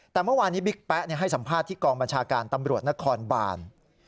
แต่เมื่อวานนี้บิ๊กแป๊ะให้สัมภาษณ์ที่กองบัญชาการตำรวจนครบาน